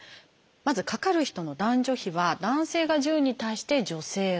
まずかかる人の男女比は男性が１０に対して女性は１。